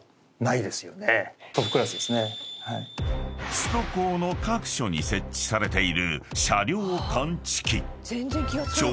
［首都高の各所に設置されている］